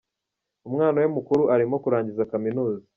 Umwana we mukuru arimo kurangiza kaminuza.